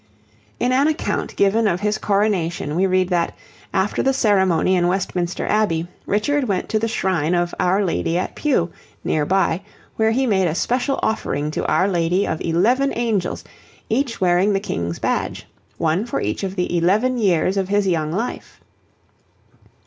In an account given of his coronation we read that, after the ceremony in Westminster Abbey, Richard went to the shrine of Our Lady at Pewe, near by, where he made a special offering to Our Lady of eleven angels, each wearing the King's badge, one for each of the eleven years of his young life.